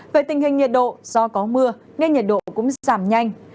về tình hình nhiệt độ do có mưa nên nhiệt độ cũng giảm nhanh